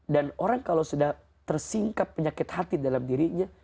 dan orang kalau sudah tersingkap penyakit hati dalam dirinya